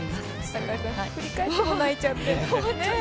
高橋さん、振り返っても泣いちゃって。